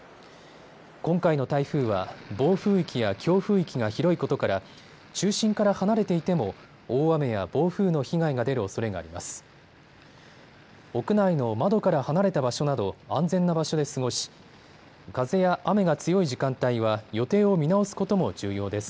今回の台風は暴風域や強風域が広いことから中心から離れていても大雨や暴風の被害が出るおそれがあります。